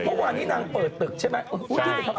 เมื่อวานนี้นางเปิดตึกใช่ไหม